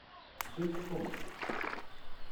Gente comune.